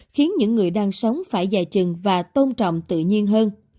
khiến những người đang sống phải dài chừng và tôn trọng tự nhiên hơn